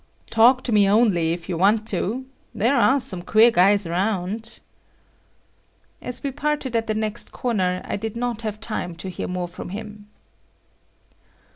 "Talk to me only, if you want to. There are some queer guys around." As we parted at the next corner, I did not have time to hear more from him.